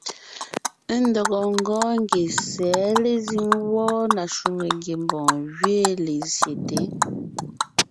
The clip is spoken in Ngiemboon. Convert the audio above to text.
Ndɔgɔ ńgɔɔn ngie sɛ̌ lezíŋ wɔ́ɔ na shwòŋo ngiembɔɔn gẅiin lezsyete.